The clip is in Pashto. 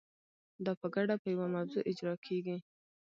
دا په ګډه په یوه موضوع اجرا کیږي.